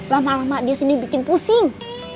lama lama dia sini bikin pusing